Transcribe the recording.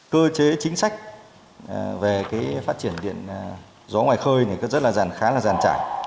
cơ chế chính sách về phát triển điện gió ngoài khơi này khá là giàn trải